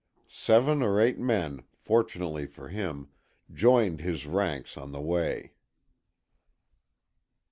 Seven or eight men, fortunately for him, joined his ranks on the way.